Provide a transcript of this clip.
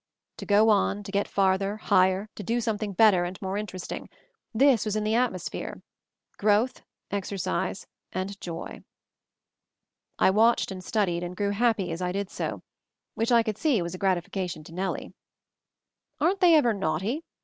To go on, to get farther, higher, to do something better and more interesting, this was in the atmosphere; growth, exercise, and joy. I watched and studied, and grew happy as I did so; which I could see was a gratifica tion to Nellie. "Airen't they ever naughty?"